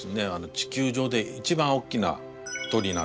地球上で一番おっきな鳥なんです。